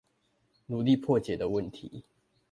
努力破解的問題